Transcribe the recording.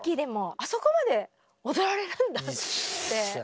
あそこまで踊られるんだって。